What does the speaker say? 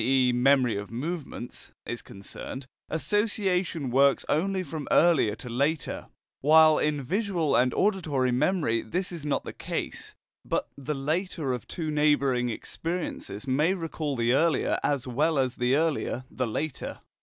e. memory of movements) is concerned, association works only from earlier to later, while in visual and auditory memory this is not the case, but the later of two neighbouring experiences may recall the earlier as well as the earlier the later.